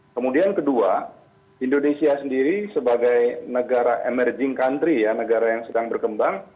kemudian kedua indonesia sendiri sebagai negara emerging country ya negara yang sedang berkembang